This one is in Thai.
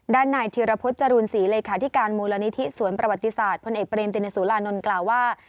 ด้านนายธิรพฤษจรูนศรีเลขาธิการมูลนิธิสวนประวัติศาสตร์พลเอกเบรมตินสุรานนท์กล่าวว่า